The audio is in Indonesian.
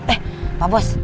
eh pak bos